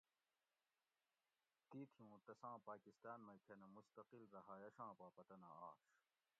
تیتھی اُوں تساں پاۤکستاۤن مئ کھنہ مُستقل رہایٔشاں پا پتہ نہ آش